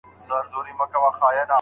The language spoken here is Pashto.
هندي لبانو دې سور اور د دوزخ ماته راوړ